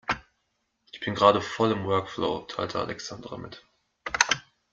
Ich bin gerade voll im Workflow, teilte Alexandra mit.